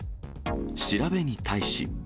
調べに対し。